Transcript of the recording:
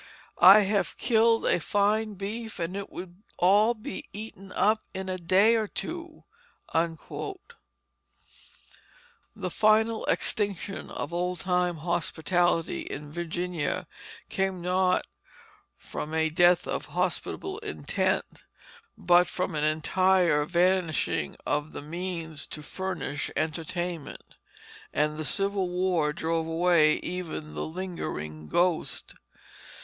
I have killed a fine beef, and it would all be eaten up in a day or two." The final extinction of old time hospitality in Virginia came not from a death of hospitable intent, but from an entire vanishing of the means to furnish entertainment. And the Civil War drove away even the lingering ghost.